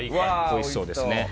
おいしそうですね。